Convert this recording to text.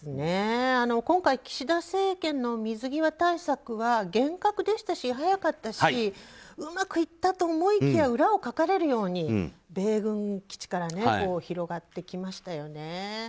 今回、岸田政権の水際対策は厳格でしたし早かったしうまくいったと思いきや裏をかかれるように米軍基地から広がってきましたよね。